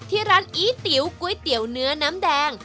ที่ร้านอีติ๋วก๋วยเตี๋ยวเนื้อน้ำแดง